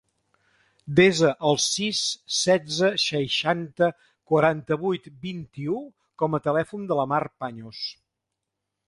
Desa el sis, setze, seixanta, quaranta-vuit, vint-i-u com a telèfon de la Mar Paños.